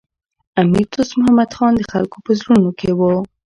امیر دوست محمد خان د خلکو په زړونو کي و.